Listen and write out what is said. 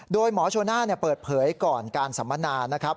โดยหมอโชน่าเปิดเผยก่อนการสัมมนานะครับ